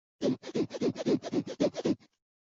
阿夫里耶莱蓬索人口变化图示